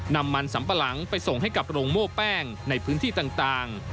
นำมันสัมปะหลังไปส่งให้กับโรงโม่แป้งในพื้นที่ต่าง